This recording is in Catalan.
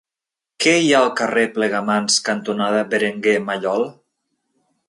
Què hi ha al carrer Plegamans cantonada Berenguer Mallol?